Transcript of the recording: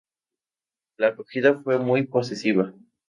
La acogida fue muy positiva.